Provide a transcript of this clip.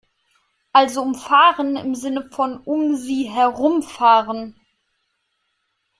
Also umfahren im Sinne von "um sie herum fahren".